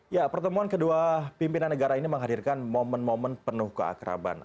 ya pertemuan kedua pimpinan negara ini menghadirkan momen momen penuh keakraban